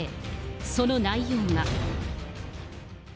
その内容が。